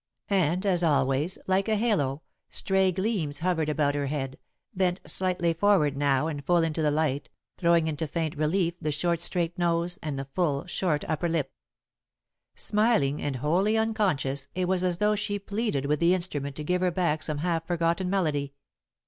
And as always, like a halo, stray gleams hovered about her head, bent slightly forward now and full into the light, throwing into faint relief the short straight nose, and the full, short upper lip. [Sidenote: Edith at the Piano] Smiling, and wholly unconscious, it was as though she pleaded with the instrument to give her back some half forgotten melody.